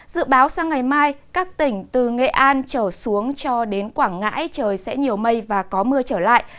dự báo sang ngày mai các tỉnh từ nghệ an trở xuống cho đến quảng ngãi trời sẽ nhiều mây và có mưa trở lại